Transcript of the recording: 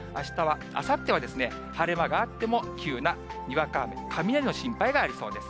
あさっては晴れ間があっても、急なにわか雨、雷の心配がありそうです。